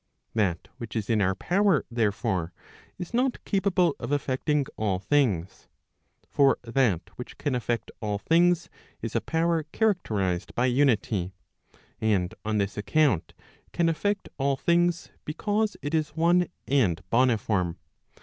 That which is in our power, therefore, is not capable of effecting all things. For that which can effect all things is a power characterized by unity, and on this account can effect all things, because it is one and boniform.